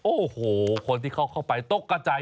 โอ้โหคนที่เขาเข้าไปตกกระจาย